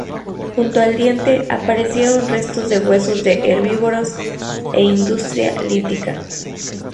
Junto al diente aparecieron restos de huesos de herbívoros e industria lítica.